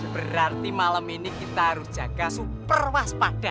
berarti malam ini kita harus jaga super waspada